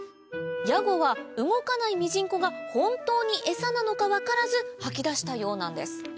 ヤゴは動かないミジンコが本当にエサなのか分からず吐き出したようなんです